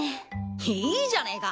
いいじゃねえか。